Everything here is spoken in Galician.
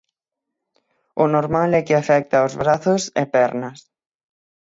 O normal é que afecte aos brazos e pernas.